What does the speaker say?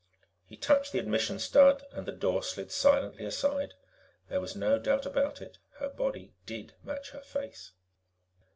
He touched the admission stud, and the door slid silently aside. There was no doubt about it, her body did match her face.